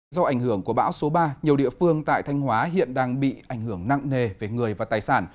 do ảnh hưởng của bão số ba nhiều địa phương tại thanh hóa hiện đang bị ảnh hưởng nặng nề về người và tài sản